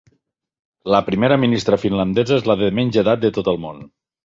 La primera ministra finlandesa és la de menys edat de tot el món